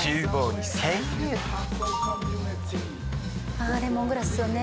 ああレモングラスよね